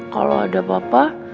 kalau ada papa